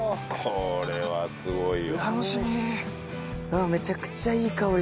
これはすごいわ。